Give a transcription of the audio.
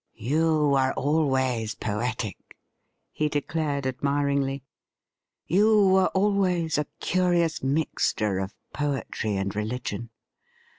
'You were always poetic,' he declared admiringly. ' You were always a curious mixture of poetry and re ligion.